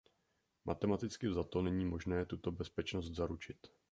Matematicky vzato není možné tuto bezpečnost zaručit.